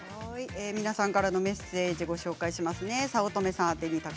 皆さんからのメッセージをご紹介します。